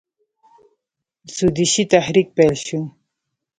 سودیشي تحریک پیل شو.